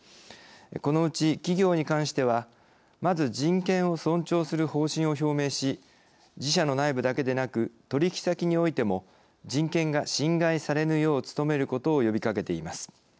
このうち、企業に関してはまず人権を尊重する方針を表明し自社の内部だけでなく取引先においても人権が侵害されぬよう努めることを呼びかけています。